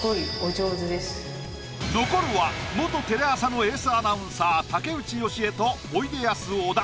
残るは元テレ朝のエースアナウンサー竹内由恵とおいでやす小田。